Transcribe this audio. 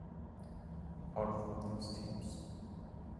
Apart from these teams.